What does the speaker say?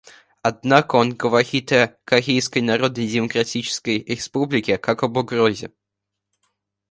Однако он говорит о Корейской Народно-Демократической Республике как об угрозе.